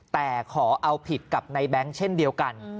แต่ขอเอาผิดกับในแบงค์เช่นเดียวกัน